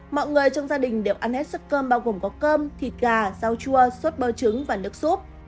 mọi người trong gia đình đều ăn hết sức cơm bao gồm có cơm thịt gà rau chua suất bơ trứng và nước xốp